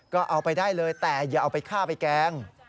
ก็เอาไปได้เลยแต่อย่าเอาไปฆ่าไปแกล้ง